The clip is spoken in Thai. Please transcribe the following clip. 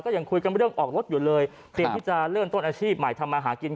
ยังคุยกันเรื่องออกรถอยู่เลยเตรียมที่จะเริ่มต้นอาชีพใหม่ทำมาหากิน